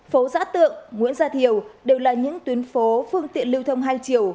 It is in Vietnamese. phố giã tượng nguyễn gia thiều đều là những tuyến phố phương tiện lưu thông hai chiều